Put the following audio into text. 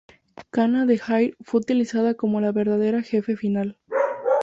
Kanna de "Air" fue utilizada como la verdadera jefe final.